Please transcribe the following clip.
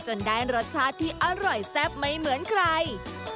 ได้รสชาติที่อร่อยแซ่บไม่เหมือนใคร